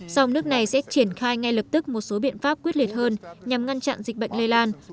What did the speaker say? song nước này sẽ triển khai ngay lập tức một số biện pháp quyết liệt hơn nhằm ngăn chặn dịch bệnh lây lan